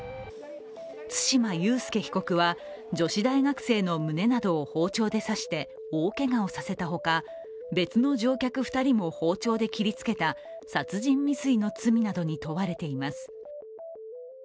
対馬悠介被告は女子大学生の胸などを包丁で刺して大けがをさせたほか、別の乗客２人も包丁で切りつけた殺人未遂の罪などに問われています。